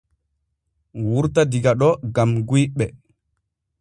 Wurta diga ɗo gam guyɓe.